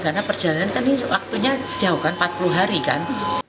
karena perjalanan kan ini waktunya jauh kan empat puluh hari kan